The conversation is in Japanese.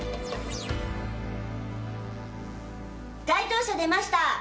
該当者出ました。